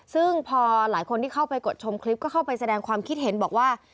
ซึ่งพอหลายคนที่เข้าไปกดชมคลิปก็เข้าไปแสดงความคิดเห็นบอกว่า